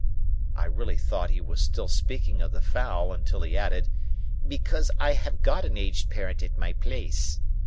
I really thought he was still speaking of the fowl, until he added, "Because I have got an aged parent at my place."